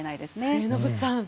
末延さん